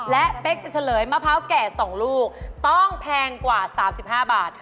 และเป๊กจะเฉลยมะพร้าวแก่๒ลูกต้องแพงกว่า๓๕บาท